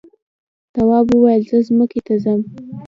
تواب وویل زه ځمکې ته ځم.